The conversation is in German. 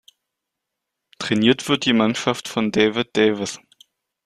Trainiert wird die Mannschaft von David Davis.